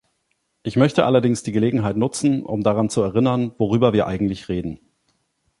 Ich möchte allerdings die Gelegenheit nutzen, um daran zu erinnern, worüber wir eigentlich reden.